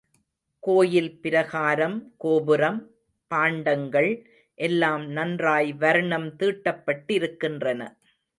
கோயில் பிராகாரம், கோபுரம், பாண்டங்கள் எல்லாம் நன்றாய் வர்ணம் தீட்டப்பட்டிருக்கின்றன.